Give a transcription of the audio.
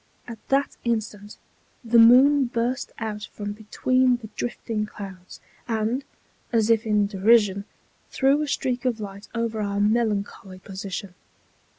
At that instant the moon burst out from between the drifting clouds, and, as if in derision, threw a streak of light over our melancholy position.